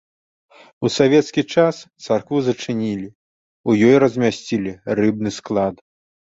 У савецкі час царкву зачынілі, у ёй размясцілі рыбны склад.